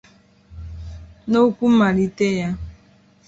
N'okwu mmalite ya